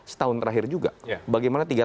setahun terakhir juga bagaimana